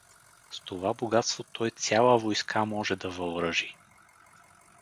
С това богатство той цяла войска може да въоръжи.